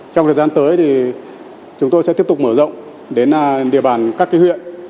trong thời gian tới thì chúng tôi sẽ tiếp tục mở rộng đến địa bàn các huyện